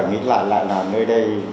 mình lại là nơi đây